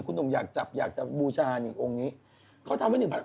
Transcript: คุณอมอยากจับบูชาอังเนี่ย